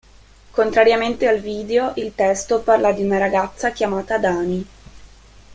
Contrariamente al video, il testo parla di una ragazza chiamata Dani.